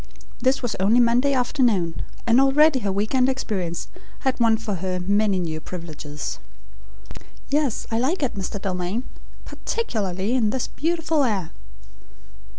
This was only Monday afternoon, and already her week end experience had won for her many new privileges. "Yes, I like it, Mr. Dalmain; particularly in this beautiful air."